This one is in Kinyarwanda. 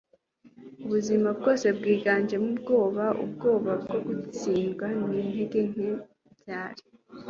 ubuzima bwose bwiganjemo ubwoba, ubwoba bwo gutsindwa nintege nke. byari